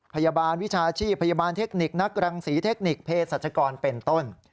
พยาบาลวิชาชีพพยาบาลเทคนิคนักรังศรีเทคนิคเพศเพศรัชกรเป็นต้น